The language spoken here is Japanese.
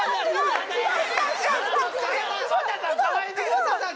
窪田さん